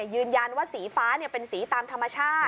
ยืนยันว่าสีฟ้าเป็นสีตามธรรมชาติ